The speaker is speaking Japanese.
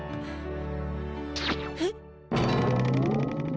えっ！